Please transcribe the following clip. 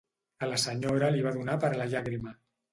A la senyora li va donar per la llàgrima.